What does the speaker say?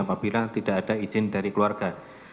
apabila tidak ada izin dari keluarga